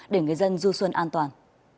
để người dân du xuân an toàn